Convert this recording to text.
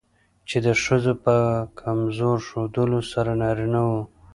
چې د ښځو په کمزور ښودلو سره نارينه وو